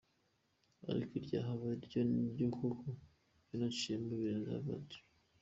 Ariko irya Havard ryo ni ryo kuko ibyo naciyemo birenze ’Harvard’.